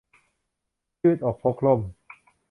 ยืดอกพกร่ม